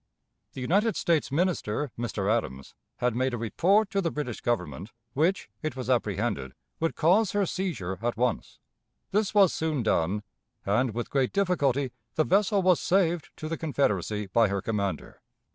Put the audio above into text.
The United States Minister, Mr. Adams, had made a report to the British Government, which, it was apprehended, would cause her seizure at once. This was soon done, and with great difficulty the vessel was saved to the Confederacy by her commander.